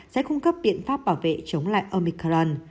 sẽ cung cấp biện pháp bảo vệ chống lại omican